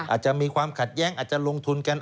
อาจจะมีความขัดแย้งอาจจะลงทุนกัน